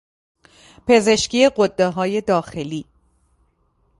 پزشکی غده های داخلی